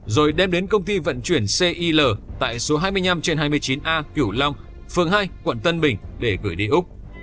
rồi đem đến công ty vận chuyển cil tại số hai mươi năm trên hai mươi chín a cửu long phường hai quận tân bình để gửi đi úc